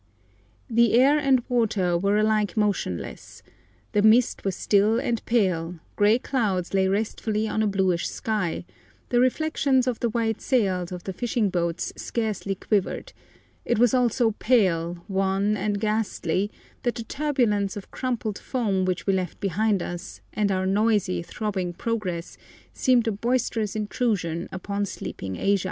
The air and water were alike motionless, the mist was still and pale, grey clouds lay restfully on a bluish sky, the reflections of the white sails of the fishing boats scarcely quivered; it was all so pale, wan, and ghastly, that the turbulence of crumpled foam which we left behind us, and our noisy, throbbing progress, seemed a boisterous intrusion upon sleeping Asia.